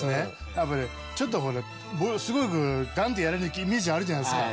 やっぱりちょっとほらものすごくガンッてやるイメージあるじゃないですか。